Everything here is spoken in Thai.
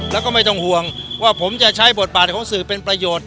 แล้วก็ไม่ต้องห่วงว่าผมจะใช้บทบาทของสื่อเป็นประโยชน์